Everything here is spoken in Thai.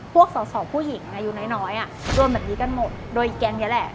พวกส่อผู้หญิงในอยู่น้อยอ่ะรวมแบบนี้กันหมดโดยอีกแกรงนี้แหละ